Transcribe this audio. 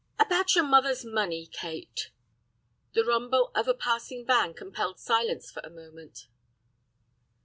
"About your mother's money, Kate." The rumble of a passing van compelled silence for a moment.